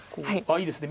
いいですね